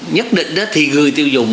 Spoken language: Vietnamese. nhất định thì người tiêu dùng